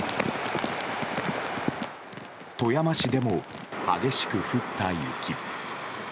富山市でも激しく降った雪。